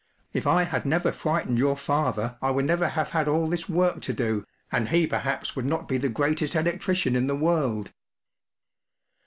If I had never frightened your father I would never have had all this work to do, and he perhaps would not be the greatest electrician in the world.